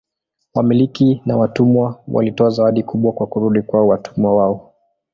Wamiliki wa watumwa walitoa zawadi kubwa kwa kurudi kwa watumwa wao.